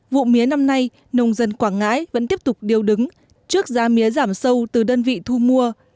vụ mía năm nay nông dân quảng ngãi vẫn tiếp tục điều đứng trước giá mía giảm sâu từ đơn vị thu mua